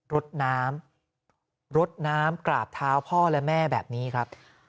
รดน้ำรดน้ำกราบเท้าพ่อและแม่แบบนี้ครับ